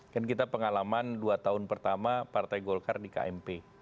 dan kita pengalaman dua tahun pertama partai golkar di kmp